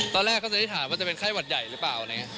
ตอนแรกเขาจะอิทธิฐานว่าจะเป็นไข้หวัดใหญ่หรือเปล่า